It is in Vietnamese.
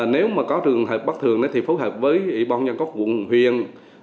nếu có sự bắt thường thì phối hợp với bộ nhân cốc quận huyền